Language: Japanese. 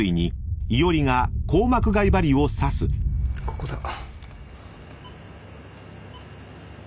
ここだ